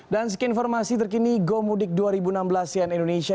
dan segini informasi terkini go mudik dua ribu enam belas sian indonesia